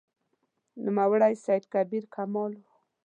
نوموړی سید کبیر کمال و.